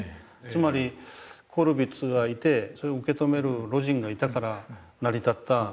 つまりコルヴィッツがいてそれを受け止める魯迅がいたから成り立った。